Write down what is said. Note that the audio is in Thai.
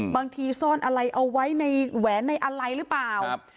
บางทีซ่อนอะไรเอาไว้ในแหวนในอะไรหรือเปล่าครับ